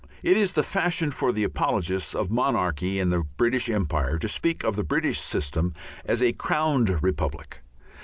It is the fashion for the apologists of monarchy in the British Empire to speak of the British system as a crowned republic.